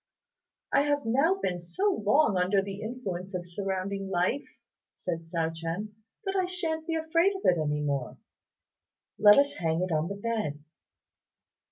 "I have now been so long under the influence of surrounding life," said Hsiao ch'ien, "that I shan't be afraid of it any more. Let us hang it on the bed."